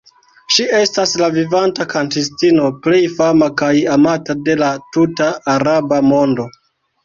Ŝi estas la vivanta kantistino plej fama kaj amata de la tuta Araba mondo.